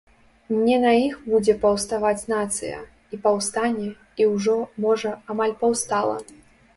Не на іх будзе паўставаць нацыя, і паўстане, і ўжо, можа, амаль паўстала.